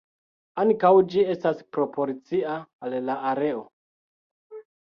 Ankaŭ ĝi estas proporcia al la areo.